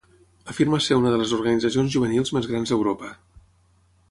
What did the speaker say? Afirma ser una de les organitzacions juvenils més grans d'Europa.